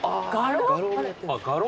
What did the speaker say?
画廊？